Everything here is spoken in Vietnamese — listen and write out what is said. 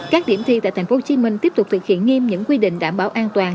các điểm thi tại thành phố hồ chí minh tiếp tục thực hiện nghiêm những quy định đảm bảo an toàn